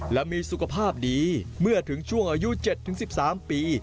และมีสุขภาพดีเมื่อถึงช่วงอายุ๗๑๓ปี